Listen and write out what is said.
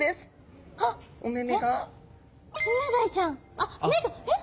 あっ目が！えっ？